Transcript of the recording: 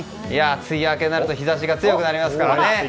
梅雨明けになると日差しが強くなりますからね。